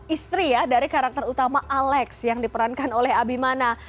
istri ya dari karakter utama alex yang diperankan oleh abimana